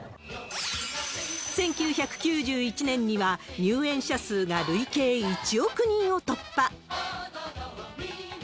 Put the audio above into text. １９９１年には、入園者数が累計１億人を突破。